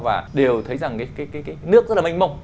và đều thấy rằng cái nước rất là mênh mông